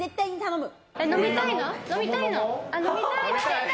飲みたいの？